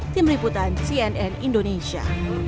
tim liputan cnn indonesia